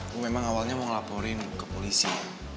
aku memang awalnya mau laporin ke polisi